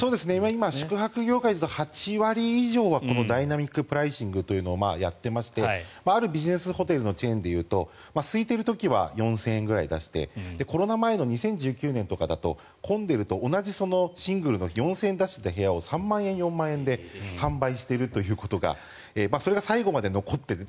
今、宿泊業界だと８割以上はこのダイナミック・プライシングというのをやってましてあるビジネスホテルのチェーンでいうとすいている時は４０００円くらいでコロナ前の２０１９年の時とかだと混んでいると同じシングルの４０００円出していた部屋を３万円４万円で販売しているということがそれが最後まで残っている。